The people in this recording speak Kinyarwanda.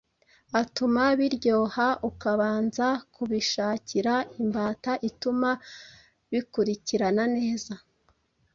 atuma biryoha, ukabanza kubishakira imbata ituma bikurikirana neza